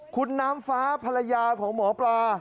คุณน้ำฟ้าภรรยาของหมอปลา